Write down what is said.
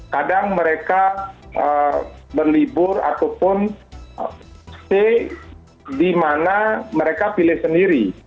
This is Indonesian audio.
kadang mereka berlibur ataupun stay di mana mereka pilih sendiri